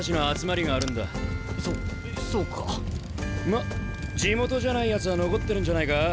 まっ地元じゃないやつは残ってるんじゃないか？